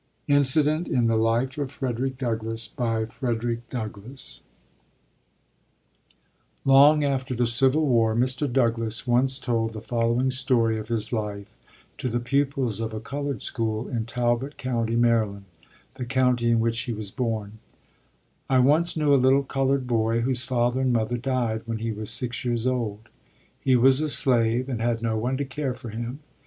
INCIDENT IN THE LIFE OF FREDERICK DOUGLASS Long after the Civil War, Mr. Douglass once told the following story of his life to the pupils of a colored school in Talbot County, Maryland, the county in which he was born: "I once knew a little colored boy whose father and mother died when he was six years old. He was a slave and had no one to care for him.